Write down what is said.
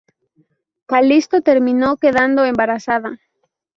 Calisto terminó quedando embarazada.